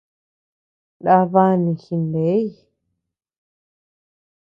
Ndá bani jineʼey.